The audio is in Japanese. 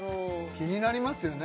気になりますよね